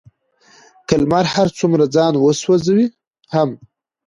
که لمر هر څومره ځان وسوزوي هم،